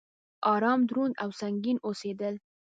ارام، دروند او سنګين اوسيدل